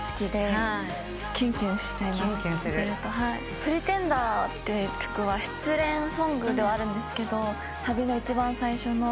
『Ｐｒｅｔｅｎｄｅｒ』って曲は失恋ソングではあるんですけどサビの一番最初の。